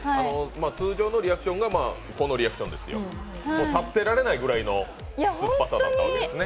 通常のリアクションがこのリアクションですよ、立ってられないぐらいの酸っぱさですね。